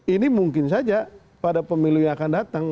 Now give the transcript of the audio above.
ini mungkin saja pada pemilu yang akan datang